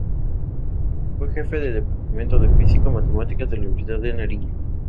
Fue jefe del Departamento de Física y Matemáticas de la Universidad de Nariño.